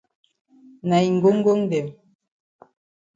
Na yi ngongngong dem.